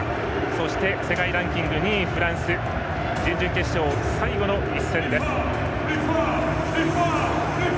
そして、世界ランキング２位フランス準々決勝、最後の一戦です。